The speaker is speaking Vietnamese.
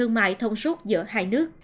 mãi thông suốt giữa hai nước